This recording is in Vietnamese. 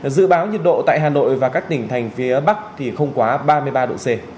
dự báo nhiệt độ tại hà nội và các tỉnh thành phía bắc thì không quá ba mươi ba độ c